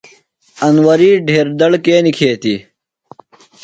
انوری ڈھیر دڑ کے نِکھیتیۡ؟